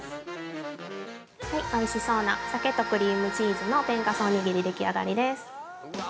◆おいしそうな鮭とクリームチーズの天かすおにぎり、でき上がりです。